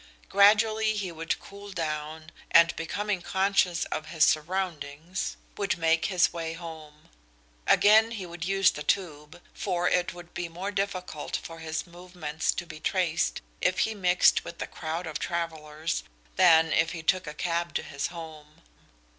Gradually he would cool down, and becoming conscious of his surroundings would make his way home. Again he would use the Tube, for it would be more difficult for his movements to be traced if he mixed with a crowd of travellers than if he took a cab to his home.